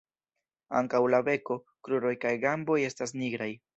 Ankaŭ la beko, kruroj kaj gamboj estas nigraj.